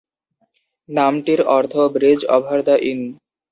নামটির অর্থ "bridge over the in".